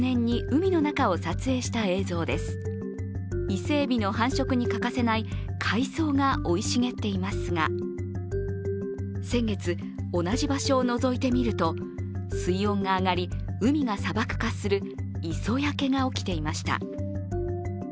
伊勢えびの繁殖に欠かせない海藻が生い茂っていますが、先月、同じ場所をのぞいてみると、水温が上がり、海が砂漠化する磯焼けが起きていました。